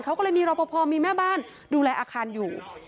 เขาก็เลยมีรอปภมีแม่บ้านดูแลอาคารอยู่